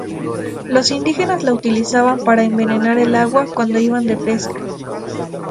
Los indígenas la utilizaban para envenenar el agua cuando iban de pesca.